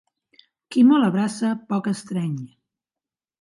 Qui molt abraça poc estreny.